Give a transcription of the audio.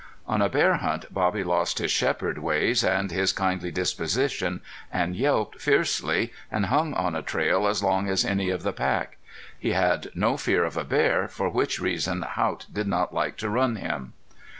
On a bear hunt Bobby lost his shepherd ways and his kindly disposition, and yelped fiercely, and hung on a trail as long as any of the pack. He had no fear of a bear, for which reason Haught did not like to run him.